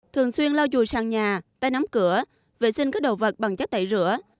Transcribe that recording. thường xuyên lau chùi sang nhà tay nắm cửa vệ sinh các đầu vật bằng chất tẩy rửa